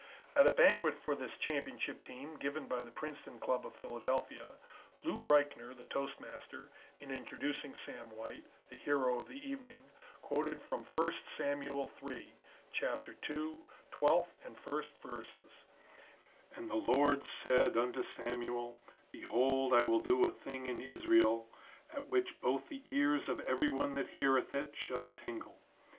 At a banquet for this championship team given by the Princeton Club of Philadelphia, Lou Reichner, the toastmaster, in introducing Sam White, the hero of the evening, quoted from First Samuel III, Chapter ii, 12th and 1st verses "And the Lord said unto Samuel, behold I will do a thing in Israel, at which both the ears of every one that heareth it shall tingle.